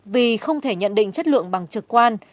vì không thể nhận định chất lượng bằng trực quan